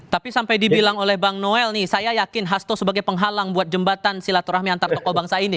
tapi sampai dibilang oleh bang noel nih saya yakin hasto sebagai penghalang buat jembatan silaturahmi antar tokoh bangsa ini